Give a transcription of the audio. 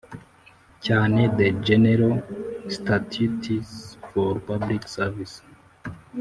cyane the general statutes for public service